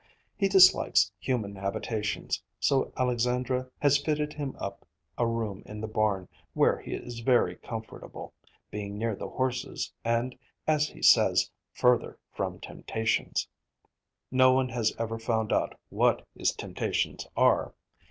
He dislikes human habitations, so Alexandra has fitted him up a room in the barn, where he is very comfortable, being near the horses and, as he says, further from temptations. No one has ever found out what his temptations are.